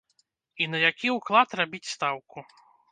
І на які ўклад рабіць стаўку?